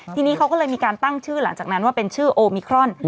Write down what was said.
ทีนี้เขาก็เลยมีการตั้งชื่อหลังจากนั้นว่าเป็นชื่อโอมิครอน